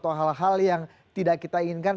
atau hal hal yang tidak kita inginkan